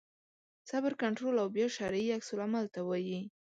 صبر کنټرول او بیا شرعي عکس العمل ته وایي.